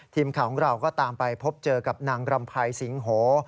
ทีมข่าวของเราก็ตามไปพบเจอกับนางรำภัยสิงโห